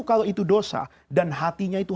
kalau itu dosa dan hatinya itu